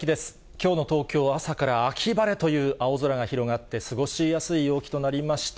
きょうの東京は朝から秋晴れという青空が広がって、過ごしやすい陽気となりました。